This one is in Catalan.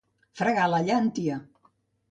Fregar la llàntia.